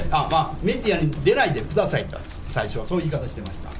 メディアに出ないでくださいと、最初はそういう言い方してました。